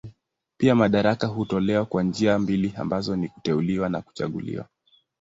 Pia madaraka hutolewa kwa njia mbili ambazo ni kuteuliwa na kuchaguliwa.